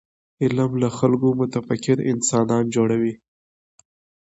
علم له خلکو متفکر انسانان جوړوي.